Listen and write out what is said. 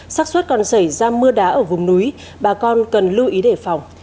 sắc xuất còn xảy ra mưa đá ở vùng núi bà con cần lưu ý đề phòng